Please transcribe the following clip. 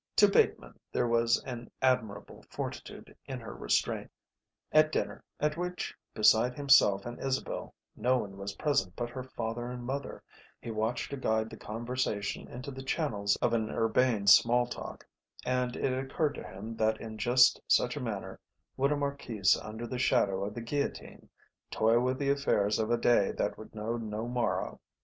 To Bateman there was an admirable fortitude in her restraint. At dinner, at which beside himself and Isabel no one was present but her father and mother, he watched her guide the conversation into the channels of an urbane small talk, and it occurred to him that in just such a manner would a marquise under the shadow of the guillotine toy with the affairs of a day that would know no morrow.